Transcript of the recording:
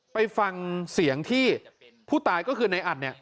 ไปฟังเสียงที่ผู้ตายก็คือในอัดเนี่ย